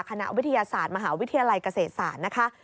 คณะวิทยาศาสตร์มหาวิทยาลัยเกษตรศาสตร์นะคะ